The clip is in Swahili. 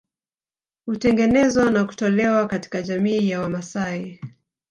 Hutengenezwa na kutolewa katika jamii ya Wamasai